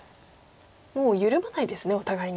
もう緩まないですねお互いに。